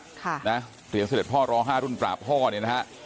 เรียนเสด็จพ่อรอ๕รุ่นปราบพ่อเนี่ยนะครับ